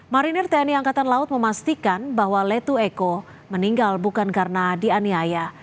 marinir tni angkatan laut memastikan bahwa letu eko meninggal bukan karena dianiaya